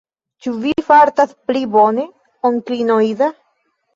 Ĉu vi fartas pli bone, onklino Ida?